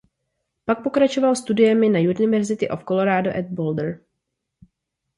Pak pokračoval studiemi na University of Colorado at Boulder.